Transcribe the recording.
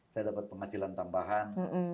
saya dapat penghasilan tambahan